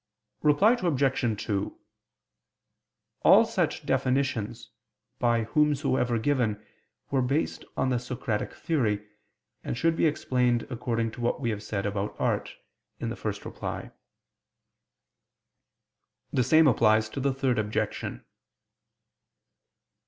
Reply Obj. 2: All such definitions, by whomsoever given, were based on the Socratic theory, and should be explained according to what we have said about art (ad 1). The same applies to the Third Objection.